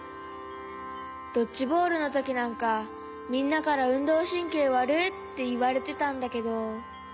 ドッジボールのときなんかみんなから「うんどうしんけいわるっ！」っていわれてたんだけど。